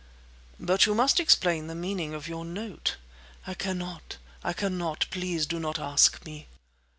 "But you must explain the meaning of your note!" "I cannot! I cannot! Please do not ask me!"